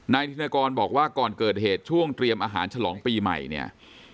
ธินกรบอกว่าก่อนเกิดเหตุช่วงเตรียมอาหารฉลองปีใหม่เนี่ย